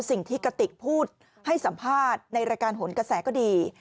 กระติกพูดให้สัมภาษณ์ในรายการหนกระแสก็ดี